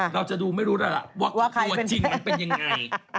เราจะดูไม่รู้แล้วล่ะว่าตัวจริงมันเป็นยังไง